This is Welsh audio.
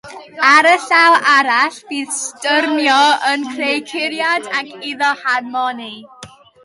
Ar y llaw arall bydd strymio yn creu curiad ag iddo harmoni.